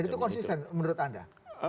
jadi itu konsisten menurut anda